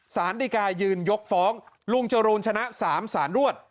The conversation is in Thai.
สารดีกายืนยกฟ้องลุงจรูนชนะ๓สารรวด